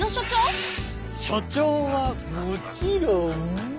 所長はもちろん。